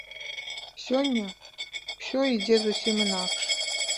Сёння ўсё ідзе зусім інакш.